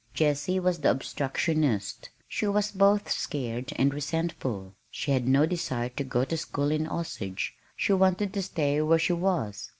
Jessie was the obstructionist. She was both scared and resentful. She had no desire to go to school in Osage. She wanted to stay where she was.